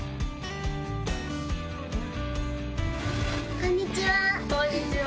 こんにちは。